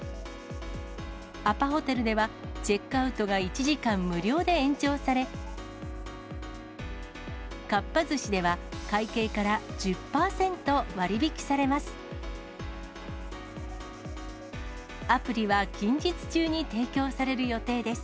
アパホテルではチェックアウトが１時間無料で延長され、かっぱ寿司では、会計から１０％割引されます。